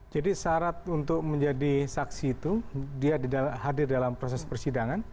jadi syarat untuk menjadi saksi itu dia hadir dalam proses persidangan